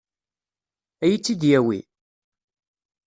Ad iyi-tt-id-yawi?